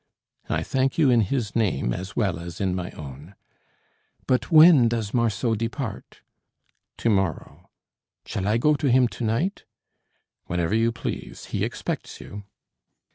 "I thank you in his name as well as in my own." "But when does Marceau depart?" "To morrow." "Shall I go to him to night?" "Whenever you please; he expects you."